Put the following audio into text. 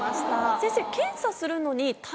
先生。